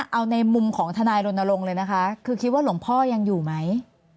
เอาในมุมของทนายรณรงค์เลยนะคะคือคิดว่าหลวงพ่อยังอยู่ไหม